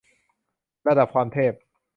ระดับความเทพ